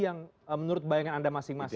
yang menurut bayangan anda masing masing